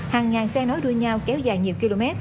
hàng ngàn xe nói đuôi nhau kéo dài nhiều km